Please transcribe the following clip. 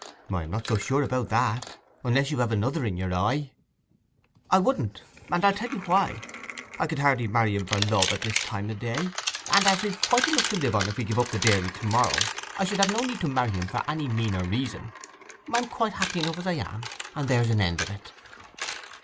'I am not sure about that, unless you have another in your eye.' 'I wouldn't; and I'll tell you why. I could hardly marry him for love at this time o' day. And as we've quite enough to live on if we give up the dairy to morrow, I should have no need to marry for any meaner reason ... I am quite happy enough as I am, and there's an end of it.